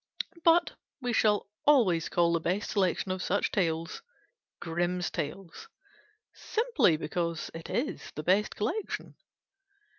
But we shall always call the best selection of such tales "Grimm's Tales": simply because it is the best collection.